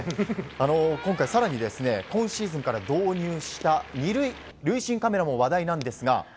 今回更に今シーズンから導入した２塁塁審カメラも話題なんですが。